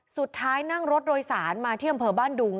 สุดท้ายนั่งรถโดยศาลมาเที่ยงเผลอบ้านดุง